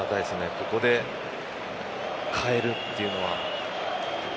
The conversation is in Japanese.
ここで代えるというのは。